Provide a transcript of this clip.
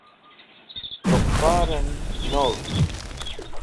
luqpar'en novd